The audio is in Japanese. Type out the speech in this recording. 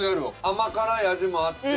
甘辛い味もあって。